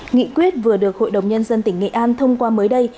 nghị quyết vừa được hội đồng nhân dân tỉnh nghệ an thông qua mới đây